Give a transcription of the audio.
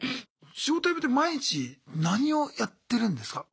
仕事辞めて毎日何をやってるんですか？